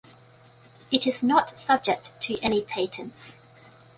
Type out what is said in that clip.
It is not subject to any patents.